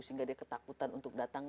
sehingga dia ketakutan untuk datang